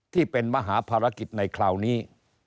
ที่เป็นมหาภารกิจในคราวนี้